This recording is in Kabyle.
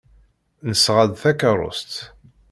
Nesɣa-d takeṛṛust.